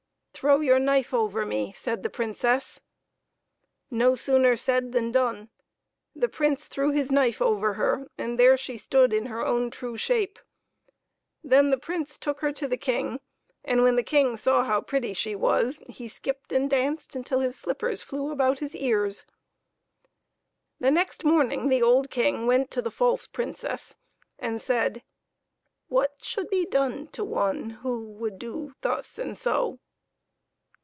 " Throw your knife over me," said the Princess. No sooner said than done. The Prince threw his knife over her, and there she stood in her own true shape. Then the Prince took her to the King, and when the King saw how pretty she was, he skipped and danced till his slippers flew about his ears. The next morning the old King went to the false Princess, and said, " What should be done to one who would do thus and so?"